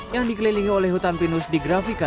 yang dikelilingi oleh hutan pinus di grafika